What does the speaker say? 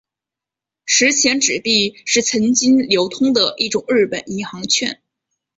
十钱纸币是曾经流通的一种日本银行券。